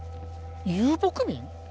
遊牧民？